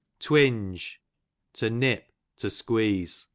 Twinge, to nip, to squeeze.